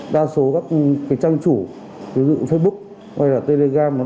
đa số các trang chủ ví dụ facebook hay là telegram